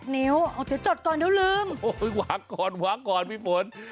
เฮ้ยมาให้โชคหรอ